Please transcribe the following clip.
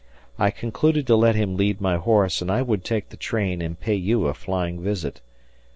I concluded to let him lead my horse and I would take the train and pay you a flying visit.